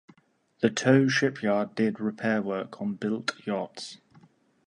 The tow shipyard did repair work on built yachts.